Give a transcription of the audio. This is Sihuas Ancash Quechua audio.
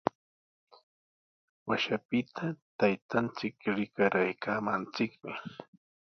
Washapita taytanchik rikaraaykaamanchikmi.